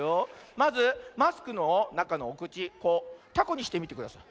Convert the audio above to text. まずマスクのなかのおくちたこにしてみてください。